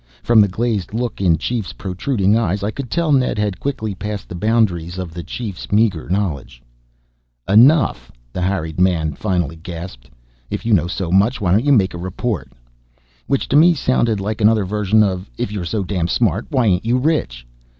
From the glazed look in Chief's protruding eyes I could tell Ned had quickly passed the boundaries of the Chief's meager knowledge. "Enough!" the harried man finally gasped. "If you know so much why don't you make a report?" Which to me sounded like another version of "_if you're so damned smart why ain't you rich?